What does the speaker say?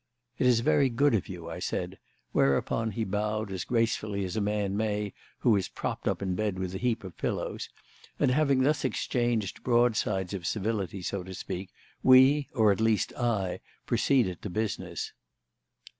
"It is very good of you," I said; whereupon he bowed as gracefully as a man may who is propped up in bed with a heap of pillows; and having thus exchanged broadsides of civility, so to speak, we or, at least, I proceeded to business.